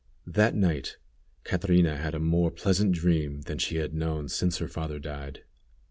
That night Catrina had a more pleasant dream than she had known since her father died.